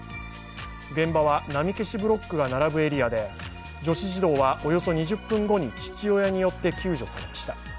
現場は波消しブロックが並ぶエリアで女子児童はおよそ２０分後に父親によって救助されました。